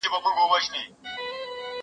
واښه د زهشوم له خوا راوړل کيږي؟!